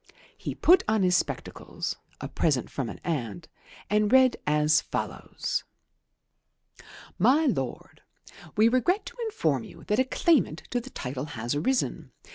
He put on his spectacles a present from an aunt and read as follows: "MY LORD, We regret to inform you that a claimant to the title has arisen.